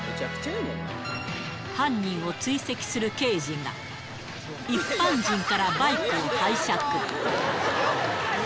犯人を追跡する刑事が、一般人からバイクを拝借。